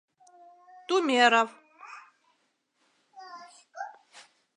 Тумеров.